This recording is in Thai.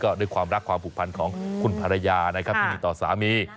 ก็ด้วยความรักความผูกพันของคุณภรรยานะครับที่มีต่อสามี